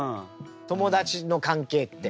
友達の関係って。